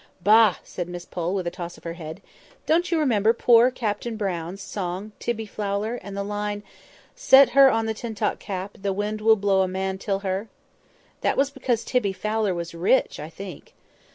"Bah!" said Miss Pole, with a toss of her head. "Don't you remember poor dear Captain Brown's song 'Tibbie Fowler,' and the line— 'Set her on the Tintock tap, The wind will blaw a man till her.'" "That was because 'Tibbie Fowler' was rich, I think."